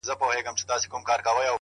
• ډلي راغلې د افسرو درباریانو,